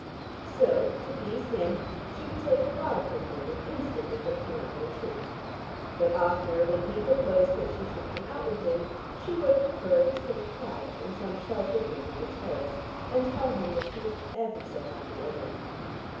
So, to please him, she would take the rod from him and instantly get hung up in a tree. But oftener when he proposed that she should come out with him, she would prefer to stay quiet in some sheltered nook on the terrace, and tell him that she was ever so happy alone.